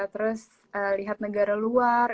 terus lihat negara luar